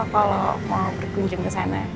kalau mau berkunjung kesana